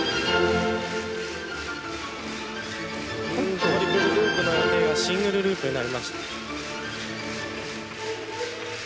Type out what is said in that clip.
トリプルループの予定がシングルループになりました。